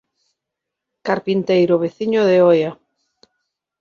Carpinteiro veciño de Oia.